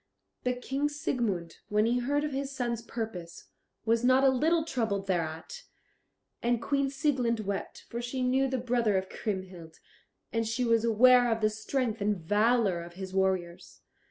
But King Siegmund, when he heard of his son's purpose, was not a little troubled thereat; and Queen Sieglind wept, for she knew the brother of Kriemhild, and she was aware of the strength and valour of his warriors.